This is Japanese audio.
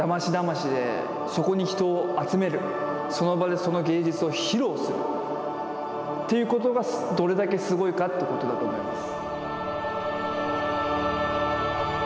そこに人を集めるその場でその芸術を披露するっていうことがどれだけすごいかってことだと思います。